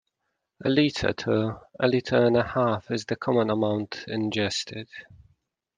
A litre to a litre-and-a-half is the common amount ingested.